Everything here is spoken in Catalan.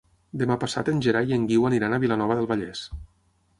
Demà passat en Gerai i en Guiu aniran a Vilanova del Vallès.